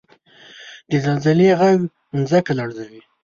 • د زلزلې ږغ ځمکه لړزوي.